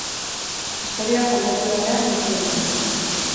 Istorioak kantatu beharrean, bizi egiten dituzte.